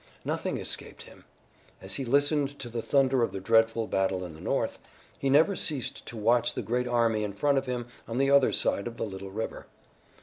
Nothing escaped him. As he listened to the thunder of the dreadful battle in the north, he never ceased to watch the great army in front of him on the other side of the little river.